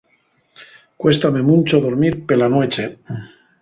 Cuéstame muncho dormir pela nueche.